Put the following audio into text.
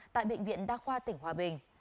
những bệnh viện đa khoa tỉnh hòa bình